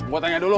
gue tanya dulu